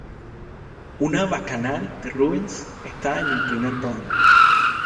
Una "Bacanal" de Rubens está en el primer plano.